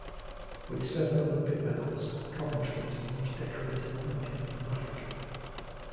With seven Olympic medals, Coventry is the most decorated Olympian from Africa.